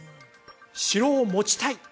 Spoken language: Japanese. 城を持ちたい！